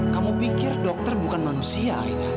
kamu pikir dokter bukan manusia